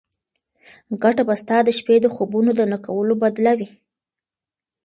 ګټه به ستا د شپې د خوبونو د نه کولو بدله وي.